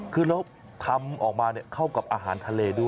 คือเราทำออกมาเนี่ยเข้ากับอาหารทะเลดู